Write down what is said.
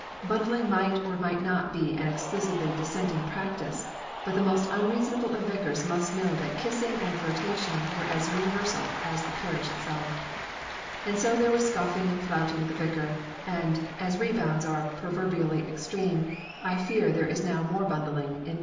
Bundling might or might not be an exclusively dissenting practice, but the most unreasonable of vicars must know that kissing and flirtation were as universal as the parish itself; and so there was scoffing and flouting of the vicar, and, as rebounds are proverbially extreme, I fear there is now more bundling in Mydrim than ever.